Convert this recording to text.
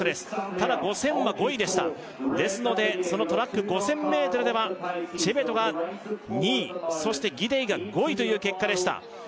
ただ５０００は５位でしたですのでそのトラック５０００ｍではチェベトが２位そしてギデイが５位という結果でした